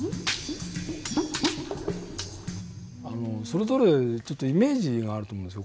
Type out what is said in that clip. それぞれイメージがあると思うんですよ